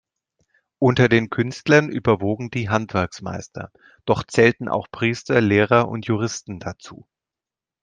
Unter den Künstlern überwogen die Handwerksmeister, doch zählten auch Priester, Lehrer und Juristen dazu.